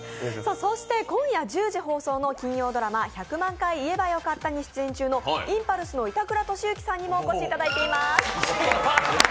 そして今夜１０時放送の金曜ドラマ「１００万回言えばよかった」に出演中のインパルスの板倉俊之さんにもお越しいただいています。